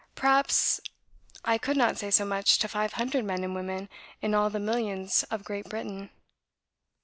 Perhaps I could not say so much to five hundred men and women in all the millions of Great Britain.